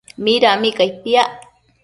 Midami cai piac?